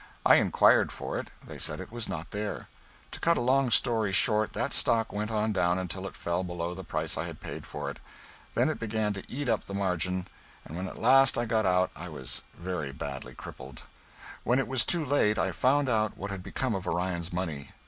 I inquired for it. They said it was not there. To cut a long story short, that stock went on down until it fell below the price I had paid for it. Then it began to eat up the margin, and when at last I got out I was very badly crippled. When it was too late, I found out what had become of Orion's money.